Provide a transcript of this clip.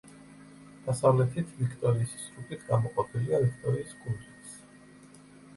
დასავლეთით ვიქტორიის სრუტით გამოყოფილია ვიქტორიის კუნძულს.